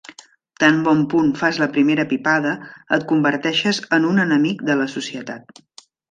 Tan bon punt fas la primera pipada, et converteixes en un enemic de la societat.